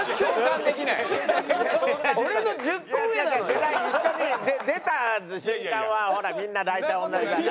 世代一緒に出た瞬間はほらみんな大体同じだから。